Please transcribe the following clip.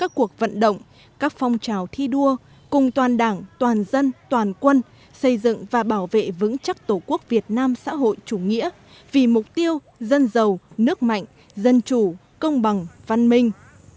các cuộc vận động các phong trào thi đua cùng toàn đảng toàn dân toàn quân xây dựng và bảo vệ vững chắc tổ quốc việt nam xã hội chủ nghĩa vì mục tiêu dân giàu nước mạnh dân chủ công bằng văn minh